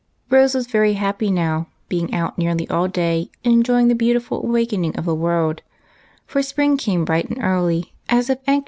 Rose was very happy now, being out nearly all day enjoying the beautiful awakening of the world, for spring came bright and early, as if anxious to do its part.